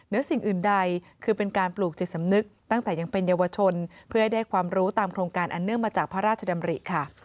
สิ่งอื่นใดคือเป็นการปลูกจิตสำนึกตั้งแต่ยังเป็นเยาวชนเพื่อให้ได้ความรู้ตามโครงการอันเนื่องมาจากพระราชดำริค่ะ